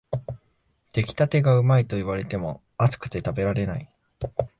出来たてがうまいと言われても、熱くて食べられない